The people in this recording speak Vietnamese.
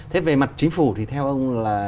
thế về mặt chính phủ thì theo ông là